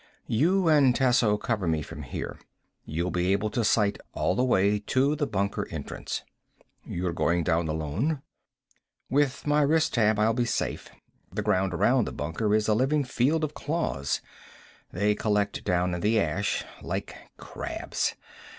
"You and Tasso cover me from here. You'll be able to sight all the way to the bunker entrance." "You're going down alone?" "With my wrist tab I'll be safe. The ground around the bunker is a living field of claws. They collect down in the ash. Like crabs.